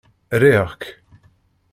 Riɣ-k.